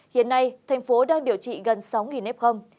hiện nay thành phố đang điều trị gần sáu nếp không